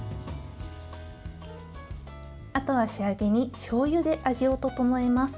あとは仕上げにしょうゆで味を調えます。